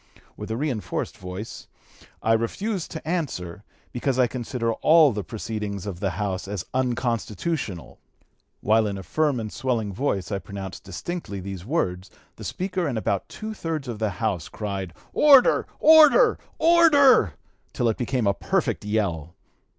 With a reinforced voice 'I refuse to answer, because I consider all the proceedings of the House as unconstitutional' While in a firm and swelling voice I pronounced distinctly these words, the Speaker and about two thirds of the House cried, 'order! order! order!' till it became a perfect yell.